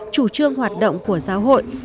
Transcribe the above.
chủ trương hoạt động của giáo hội